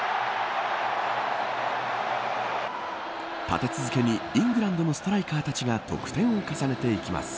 立て続けにイングランドのストライカーたちが得点を重ねていきます。